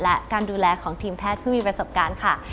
และการดูแลของทีมแพทย์ผู้มีประสบการณ์ค่ะ